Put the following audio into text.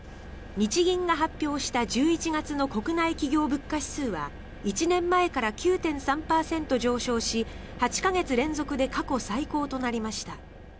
日銀が発表した１１月の国内企業物価指数は１年前から９．３％上昇し８か月連続で過去最高となりました。